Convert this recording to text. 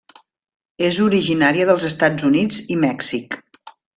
És originària dels Estats Units i Mèxic.